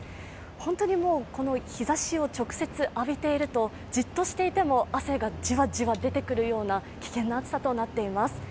本当に日ざしを直接浴びていると、じっとしていても汗がじわじわ出てくるような危険な暑さとなっています。